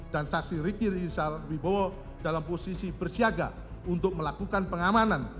dan saksi rikir yisal wibowo dalam posisi bersiaga untuk melakukan pengamanan